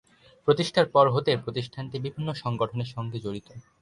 প্রতিষ্ঠার পর হতেই প্রতিষ্ঠানটি বিভিন্ন সংগঠনের সঙ্গে জড়িত।